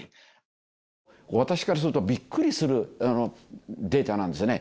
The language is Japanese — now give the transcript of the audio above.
私からすると、びっくりするデータなんですよね。